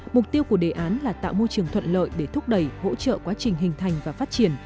mục tiêu của đề án là tạo môi trường thuận lợi để thúc đẩy hỗ trợ quá trình hình thành và phát triển